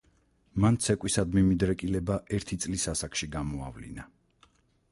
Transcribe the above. მან ცეკვისადმი მიდრეკილება ერთი წლის ასაკში გამოავლინა.